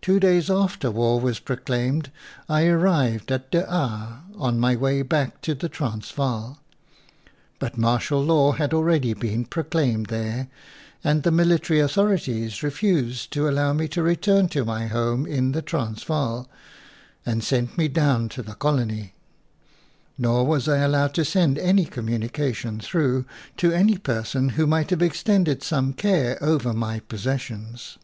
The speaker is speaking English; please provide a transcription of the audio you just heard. Two days after war was proclaimed I ar rived at De Aar on my way back to the Transvaal ; but martial law had already FOREWORD been proclaimed there, and the military authorities refused to allow me to re turn to my home in the Transvaal and sent me down to the Colony; nor was I allowed to send any communication through, to any person who might have extended some care over my possessions.